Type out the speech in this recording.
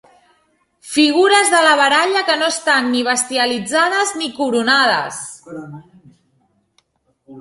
Figures de la baralla que no estan ni bestialitzades ni coronades.